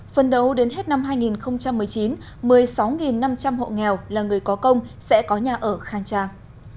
phân đấu đến hết năm hai nghìn một mươi chín một mươi sáu năm trăm linh hộ nghèo là người có công sẽ có nhà ở khang trang